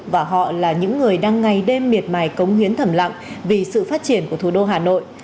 và họ là những người đang ngày đêm miệt mài cống hiến thầm lặng vì sự phát triển của thủ đô hà nội